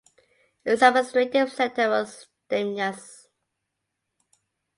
Its administrative centre was Demyansk.